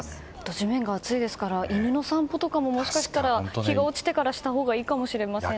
地面が熱いですから犬の散歩とかも日が落ちてからしたほうがいいかもしれないですね。